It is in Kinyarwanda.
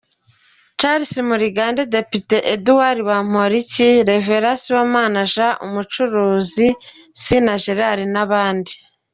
Charles Murigande, Depite Edouard Bamporiki, Rev Sibonama Jean, umucuruzi Sina Gerard n’abandi.